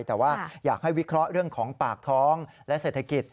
แต่ว่าอยากให้วิเคราะห์เรื่องของปากท้องและเศรษฐกิจ